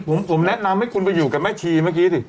ผมแนะนำให้คุณไปอยู่กับแม่ชีเมื่อกี้สิ